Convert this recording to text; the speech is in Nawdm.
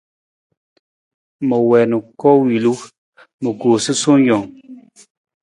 Ma wiin koowilu, ma koo sasuwe jang.